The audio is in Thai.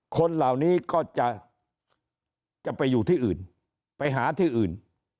คนเหล่านี้ก็จะไปอยู่ที่อื่นไปหาที่อื่น